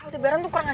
kita pulang ya